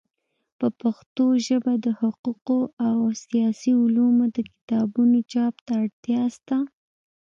په پښتو ژبه د حقوقو او سیاسي علومو د کتابونو چاپ ته اړتیا سته.